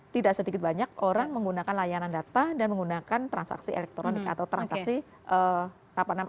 tidak sedikit banyak orang menggunakan layanan data dan menggunakan transaksi elektronik atau transaksi apa namanya